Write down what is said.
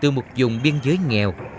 từ một vùng biên giới nghèo